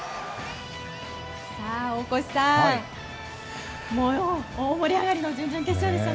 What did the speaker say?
大越さん、もう大盛り上がりの準々決勝でした。